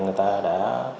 người ta đã